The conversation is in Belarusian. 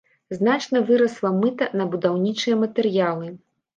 Значна вырасла мыта на будаўнічыя матэрыялы.